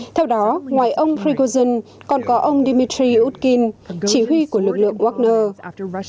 theo đó ngoài ông prigozhin còn có ông dmitry urkin chỉ huy của lực lượng wagner